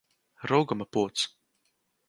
Rūguma pods!